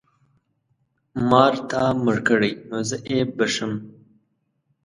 مار تا مړ کړی نو زه یې بښم.